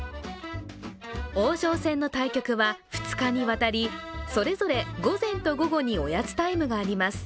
王将戦の対局は２日にわたり、それぞれ午前と午後におやつタイムがあります。